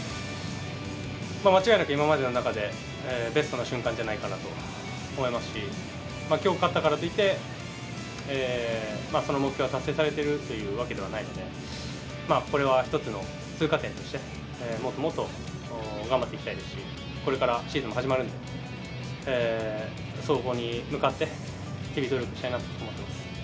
間違いなく今までの中でベストな瞬間じゃないかなと思いますし、きょう勝ったからといって、その目標は達成されてるっていうわけではないので、これは一つの通過点として、もっともっと頑張っていきたいですし、これからシーズンも始まるんで、そこに向かって日々努力したいなと思っています。